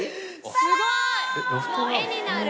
すごい！画になる。